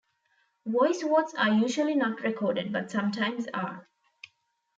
Voice votes are usually not recorded, but sometimes are.